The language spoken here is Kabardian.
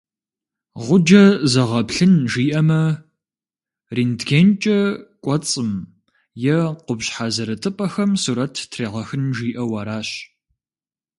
Гъуджэ зэгъэплъын жиӏэмэ, рентгенкӀэ кӀуэцӀым е къупщхьэ зэрытыпӀэхэм сурэт трегъэхын жиӏэу аращ.